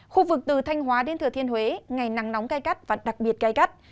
khu vực từ thanh hóa đến thừa thiên huế ngày nắng nóng cay cắt và đặc biệt cay cắt